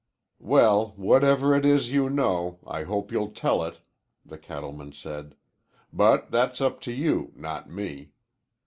"Well, whatever it is you know, I hope you'll tell it," the cattleman said. "But that's up to you, not me.